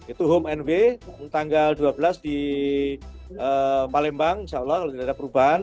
itu home and way tanggal dua belas di palembang insya allah kalau tidak ada perubahan